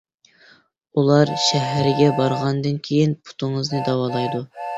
ئۇلار شەھەرگە بارغاندىن كېيىن پۇتىڭىزنى داۋالايدۇ.